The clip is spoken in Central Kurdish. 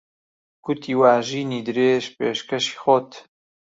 کوتی وا ژینی درێژ پێشکەشی خۆت